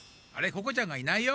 ここちゃんがいないよ？